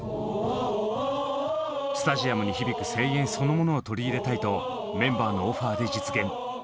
スタジアムに響く声援そのものを取り入れたいとメンバーのオファーで実現。